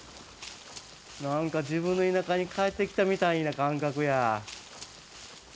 なんか自分の田舎に帰ってきたみたいな感覚や。